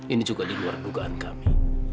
ini juga di luar dugaan kami